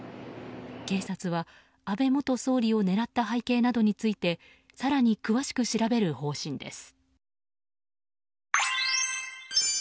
警察は安倍元総理を狙った背景などについて更に詳しく調べる方針です。